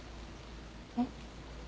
えっ？